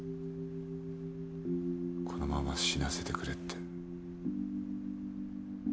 このまま死なせてくれって。